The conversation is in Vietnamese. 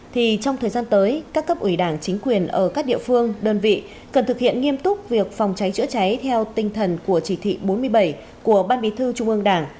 thì trong thời gian tới các cấp ủy đảng chính quyền ở các địa phương đơn vị cần thực hiện nghiêm túc việc phòng cháy chữa cháy theo tinh thần của chỉ thị bốn mươi bảy của ban bí thư trung ương đảng